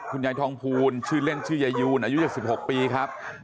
คุณยายทองภูลชื่อเล่นชื่อยายูนอายุ๗๖ปีครับ